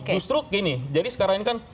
justru gini jadi sekarang ini kan